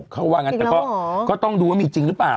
ก็ต้องดูว่ามีจริงหรือเปล่า